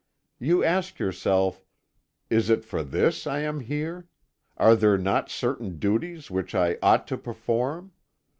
You ask yourself, 'Is it for this I am here? Are there not certain duties which I ought to perform?